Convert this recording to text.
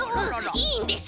いいんです！